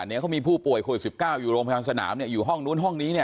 เนี่ยเขามีผู้ป่วยโควิด๑๙อยู่โรงพยาบาลสนามเนี่ยอยู่ห้องนู้นห้องนี้เนี่ย